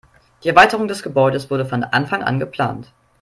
Die Erweiterung des Gebäudes wurde von Anfang an geplant.